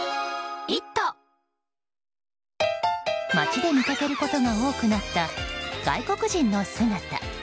街で見かけることが多くなった外国人の姿。